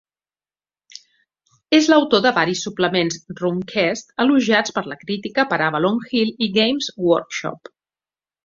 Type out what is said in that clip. És l'autor de varis suplements "RuneQuest" elogiats per la crítica per Avalon Hill i Games Workshop.